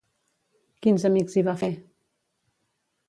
Quins amics hi va fer?